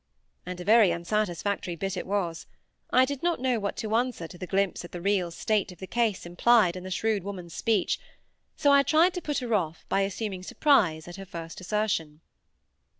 And a very unsatisfactory bit it was. I did not know what to answer to the glimpse at the real state of the case implied in the shrewd woman's speech; so I tried to put her off by assuming surprise at her first assertion.